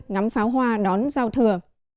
ngắm pháo hoa đón giao thừa